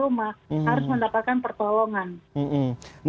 harus mendapatkan pertolongan